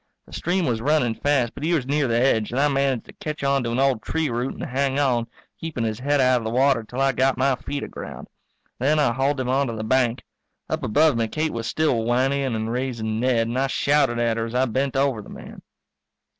The stream was running fast but he was near the edge and I managed to catch on to an old tree root and hang on, keeping his head out of the water till I got my feet aground. Then I hauled him onto the bank. Up above me Kate was still whinnying and raising Ned and I shouted at her as I bent over the man.